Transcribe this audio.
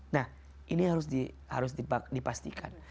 nah ini harus dipastikan